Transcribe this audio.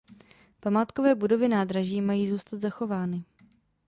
Památkové budovy nádraží mají zůstat zachovány.